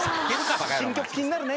新曲気になるね。